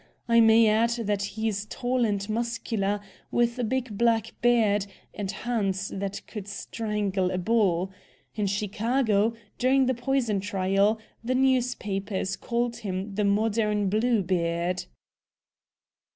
I may add that he's tall and muscular, with a big black beard, and hands that could strangle a bull. In Chicago, during the poison trial, the newspapers called him 'the Modern Bluebeard."'